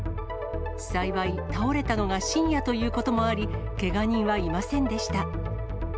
幸い、倒れたのが深夜ということもあり、けが人はいませんでした。